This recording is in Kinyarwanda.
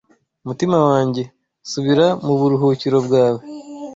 Mutima wanjye, subira mu buruhukiro bwawe